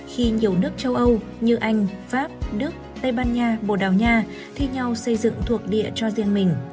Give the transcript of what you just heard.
khi nhiều nước châu âu như anh pháp đức tây ban nha bồ đào nha thi nhau xây dựng thuộc địa cho riêng mình